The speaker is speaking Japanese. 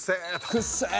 「くっせー」